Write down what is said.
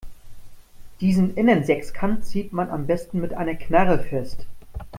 Diesen Innensechskant zieht man am besten mit einer Knarre fest.